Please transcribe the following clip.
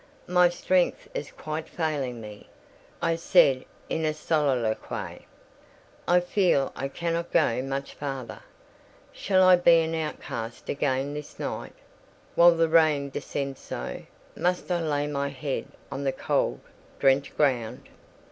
"My strength is quite failing me," I said in a soliloquy. "I feel I cannot go much farther. Shall I be an outcast again this night? While the rain descends so, must I lay my head on the cold, drenched ground?